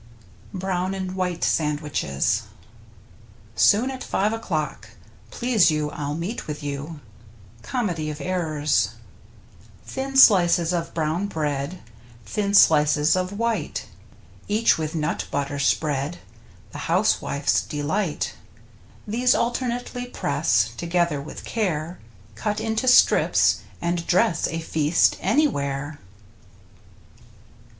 BROWN AND WHITE SAND WICHES Soon at five o'clock Please you I'll meet with you. — Comedy of Errors. Thin slices of brown bread, Thin sHces of white, Each with nut butter spread — The housewife's deHght! These alternately press Together with care. Cut into strips, and dress A feast anywhere.